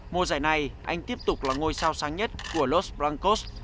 mùa giải này anh tiếp tục là ngôi sao sáng nhất của los brancos